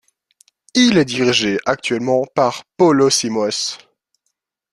Il est dirigé actuellement par Paulo Simões.